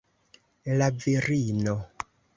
La virino.